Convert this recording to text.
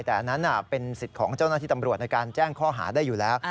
แต่อันนั้นเป็นสิทธิ์ของเจ้าหน้าที่ตำรวจในการแจ้งข้อหาได้อยู่แล้ว